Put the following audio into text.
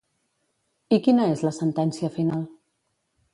I quina és la sentència final?